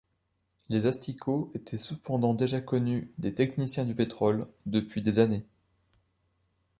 Les asticots étaient cependant déjà connus des techniciens du pétrole depuis des années.